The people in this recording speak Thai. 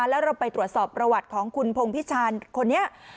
แล้วเราไปตรวจสอบประวัติของคุณพงพิชานคนนี้